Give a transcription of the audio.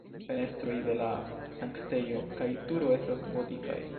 Fenestroj de la sanktejo kaj turo estas gotikaj.